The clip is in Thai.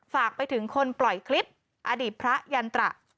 ฝากไปถึงคนปล่อยคลิปอดีตพระยันตระ